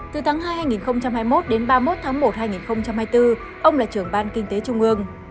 từ tháng hai hai nghìn hai mươi một đến ba mươi một tháng một hai nghìn hai mươi bốn ông là trưởng ban kinh tế trung ương